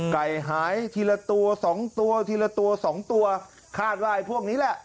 ไก่หายทีละตัวสองตัวทีละตัวสองตัวคาดว่าไอ้พวกนี้แหละ